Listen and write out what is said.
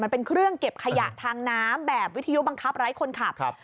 มันเป็นเครื่องเก็บขยะทางน้ำแบบวิทยุบังคับไร้คนขับ